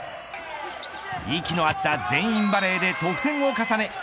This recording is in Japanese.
息の合った全員バレーで得点を重ね